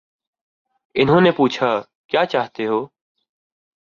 انہوں نے پوچھا: کیا چاہتے ہو؟